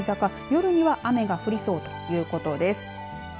夜には雨が降りそうということです。